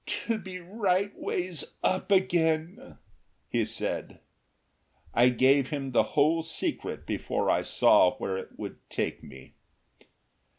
"To be right ways up again " he said. I gave him the whole secret before I saw where it would take me.